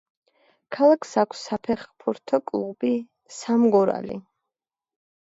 ქალაქს აქვს საფეხბურთო კლუბი „სამგურალი“.